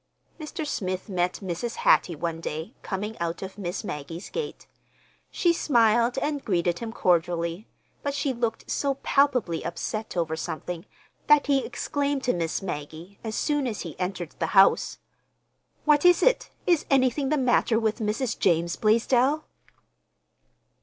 Mr. Smith met Mrs. Hattie one day, coming out of Miss Maggie's gate. She smiled and greeted him cordially, but she looked so palpably upset over something that he exclaimed to Miss Maggie, as soon he entered the house: "What was it? Is anything the matter with Mrs. James Blaisdell?"